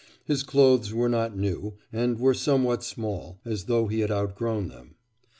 His clothes were not new, and were somewhat small, as though he had outgrown them.